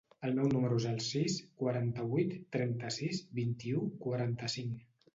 El meu número es el sis, quaranta-vuit, trenta-sis, vint-i-u, quaranta-cinc.